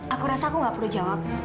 aku rasa aku gak perlu jawab